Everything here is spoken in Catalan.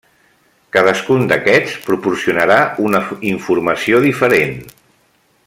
Cadascun d'aquests proporcionarà una informació diferent.